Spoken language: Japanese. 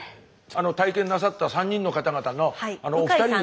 体験なさった３人の方々のお二人に。